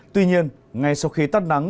tuy nhiên ngay sau khi tắt nắng